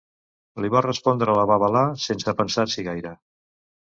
Li va respondre a la babalà, sense pensar-s'hi gaire.